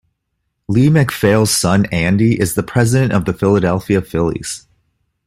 Lee MacPhail's son Andy is the president of the Philadelphia Phillies.